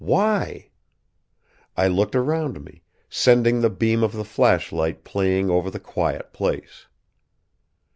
Why? I looked around me, sending the beam of the flashlight playing over the quiet place.